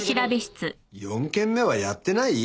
４件目はやってない？